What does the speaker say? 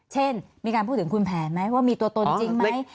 เช่นมีการพูดถึงคุณแผนไหมว่ามีตัวตนจริงไหม